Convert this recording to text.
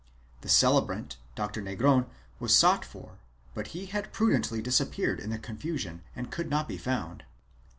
The celebrant, Dr. Negron, was sought for, but he had prudently disappeared in the confusion and could not be found.